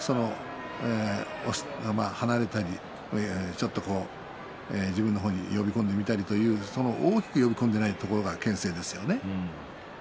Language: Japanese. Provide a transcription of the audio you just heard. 離れたり自分の方に呼び込んでみたりと大きく呼び込んでいないところがけん制ですね。